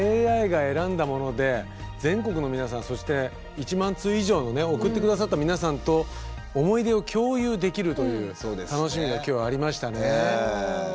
ＡＩが選んだもので全国の皆さんそして１万通以上のね送って下さった皆さんと思い出を共有できるという楽しみが今日ありましたね。